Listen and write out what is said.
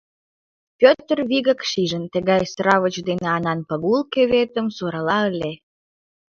Пӧтыр вигак шижын: тыгай сравоч дене Анан Пагул кевытым сурала ыле.